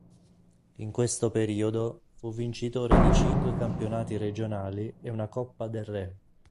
In questo periodo fu vincitore di cinque campionati regionali e una Coppa del Re.